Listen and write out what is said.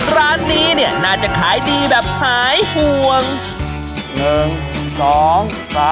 ร้านนี้เนี่ยน่าจะขายดีแบบหายห่วง